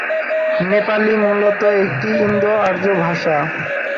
নেপালী মূলত একটি ইন্দো-আর্য ভাষা।